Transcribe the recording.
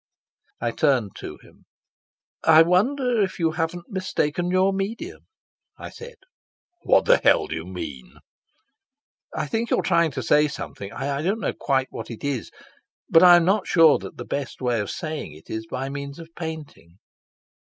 I turned to him. "I wonder if you haven't mistaken your medium," I said. "What the hell do you mean?" "I think you're trying to say something, I don't quite know what it is, but I'm not sure that the best way of saying it is by means of painting."